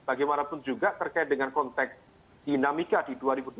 bagaimanapun juga terkait dengan konteks dinamika di dua ribu dua puluh